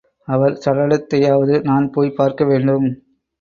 அவர் சடலத்தையாவது நான் போய்ப் பார்க்கவேண்டும்.